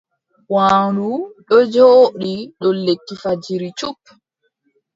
Waandu ɗo jooɗi dow lekki fajiri cup.